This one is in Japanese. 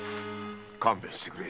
勘弁してくれ。